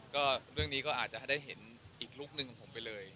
ก็เรื่องนี้ก็อาจจะให้ได้เห็นอีกลุคหนึ่งของผมไปเลย